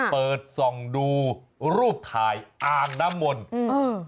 เปิดส่องดูรูปถ่ายอ่างน้ำมนต์อืม